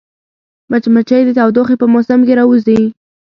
مچمچۍ د تودوخې په موسم کې راووځي